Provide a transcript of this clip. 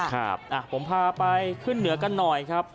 ครับผมพาไปขึ้นเหนือกันหน่อยครับ